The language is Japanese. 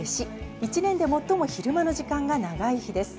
１年で最も昼間の時間が長い日です。